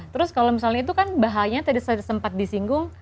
terus kalau misalnya itu kan bahannya tadi sempat disinggung